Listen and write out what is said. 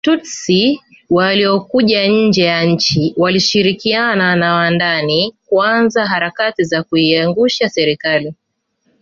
Watutsi waliokuwa nje ya nchi walishirikiana na wa ndani kuanza harakati za kuiangusha Serikali